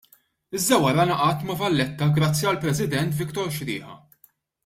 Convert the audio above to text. Iżda wara ngħaqadt ma' Valletta grazzi għall-President Victor Sciriha.